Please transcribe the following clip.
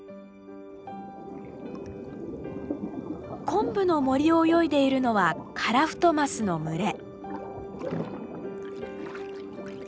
昆布の森を泳いでいるのはカラフトマスの群れ。